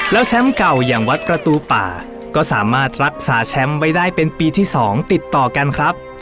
แล้วแชมป์เก่าอย่างวัดประตูป่าก็สามารถรักษาแชมป์ไว้ได้เป็นปีที่๒ติดต่อกันครับ